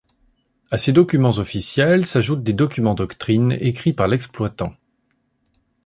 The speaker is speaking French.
A ces documents officiels s’ajoutent des documents doctrine écrits par l’exploitant.